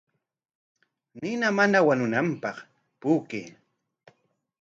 Nina mana wañunanpaq puukay.